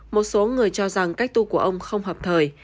một số người cho rằng cách tu của ông không hợp thời